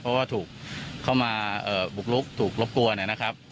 เพราะว่าถูกเข้ามาบุกลุกถูกรบกวนเนี่ยนะครับ